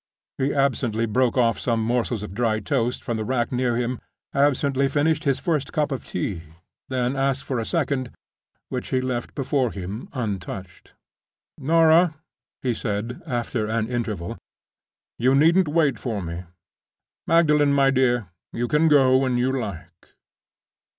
He absently broke off some morsels of dry toast from the rack near him, absently finished his first cup of tea—then asked for a second, which he left before him untouched. "Norah," he said, after an interval, "you needn't wait for me. Magdalen, my dear, you can go when you like."